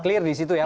clear disitu ya